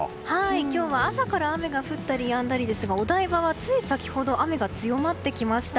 今日は朝から雨が降ったりやんだりですがお台場はつい先ほど雨が強まってきました。